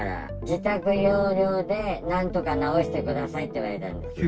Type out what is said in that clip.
自宅療養でなんとか治してくださいって言われたんですよ。